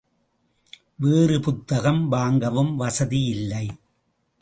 வேறு புத்தகம் வாங்கவும் வசதி இல்லை.